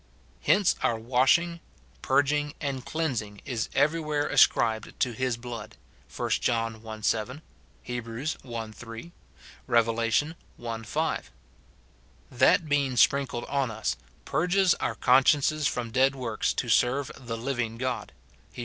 Hence our washing, purging, and cleansing is everywhere ascribed to his blood, 1 John i. 7 ; Heb. i. 3 ; Rev. i. 5. That being sprinkled on us, "purges our consciences from dead works to serve the living God," Heb.